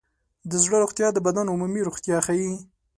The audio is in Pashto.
د زړه روغتیا د بدن عمومي روغتیا ښيي.